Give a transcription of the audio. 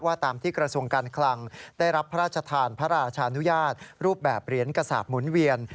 ตามที่กระทรวงการคลังได้รับพระราชทานพระราชานุญาตรูปแบบเหรียญกระสาปหมุนเวียน